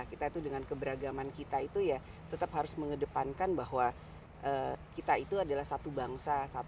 kita itu dengan keberagaman kita itu ya tetap harus mengedepankan bahwa kita itu adalah satu bangsa